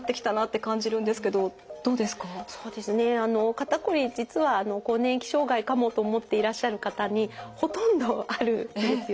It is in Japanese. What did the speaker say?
肩こり実は更年期障害かもと思っていらっしゃる方にほとんどあるんですよね。